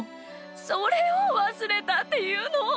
それをわすれたっていうの！